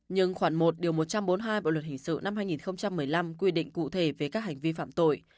nhưng khoảng một một trăm bốn mươi hai bộ luật hình sự năm hai nghìn một mươi năm quy định cụ thể về các hành vi phạm tội